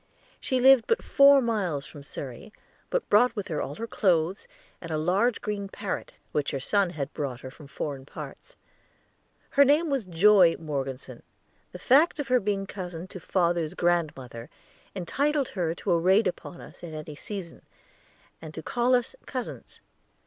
She lived but four miles from Surrey, but brought with her all her clothes, and a large green parrot, which her son had brought from foreign parts. Her name was Joy Morgeson; the fact of her being cousin to father's grandmother entitled her to a raid upon us at any season, and to call us "cousins."